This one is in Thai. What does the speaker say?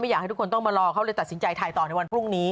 อยากให้ทุกคนต้องมารอเขาเลยตัดสินใจถ่ายต่อในวันพรุ่งนี้